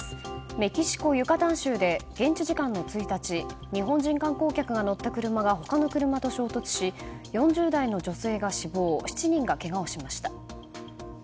メキシコ・ユカタン州で現地時間の１日日本人観光客が乗った車が他の車と衝突し４０代の女性が死亡７人がけがをしました。